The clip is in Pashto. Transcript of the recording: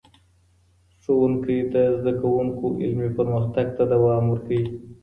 ښوونکی د زدهکوونکو علمي پرمختګ ته دوام ورکوي.